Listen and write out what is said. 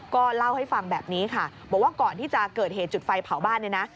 ก็เล่าให้ฟังแบบนี้ค่ะบอกว่าก่อนที่จะเกิดเหตุจุดไฟเผาบ้านเนี่ยนะ